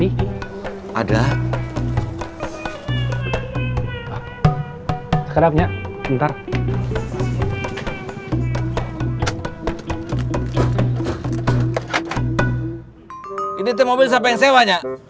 ini tim mobil siapa yang sewanya